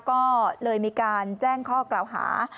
ก็เลยมีการแจ้งข้อกล่าวหา